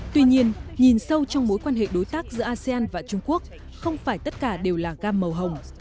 tuy nhiên nhìn sâu trong mối quan hệ đối tác giữa asean và trung quốc không phải tất cả đều là gam màu hồng